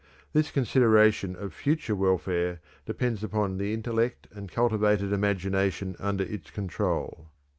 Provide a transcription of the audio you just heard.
This consideration of future welfare depends upon the intellect and cultivated imagination under its control.